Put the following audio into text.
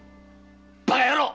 バカ野郎！